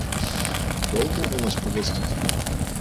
Долго он у нас прогостит?